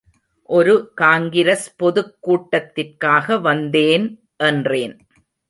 ஒரு காங்கிரஸ் பொதுக் கூட்டத்திற்காக வந்தேன் என்றேன்.